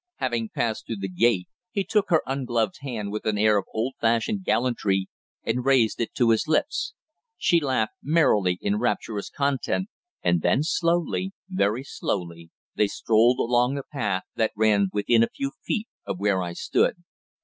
Having passed through the gate, he took her ungloved hand with an air of old fashioned gallantry and raised it to his lips. She laughed merrily in rapturous content, and then slowly, very slowly, they strolled along the path that ran within a few feet of where I stood.